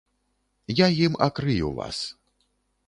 Я ім акрыю вас.